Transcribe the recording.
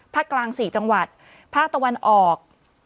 กลาง๔จังหวัดภาคตะวันออก